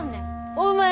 お前